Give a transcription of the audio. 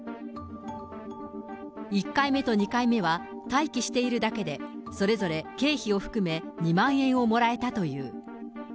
１回目と２回目は、待機しているだけでそれぞれ経費を含め２万円をもらえたという。